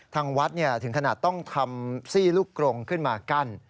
ทางวัดถึงขนาดต้องทำซี่ลูกกรงขึ้นมากั้น